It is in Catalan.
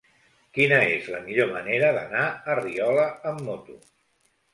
Quina és la millor manera d'anar a Riola amb moto?